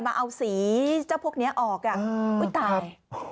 มาเอาสีเจ้าพวกนี้ออกอุ๊ยตาย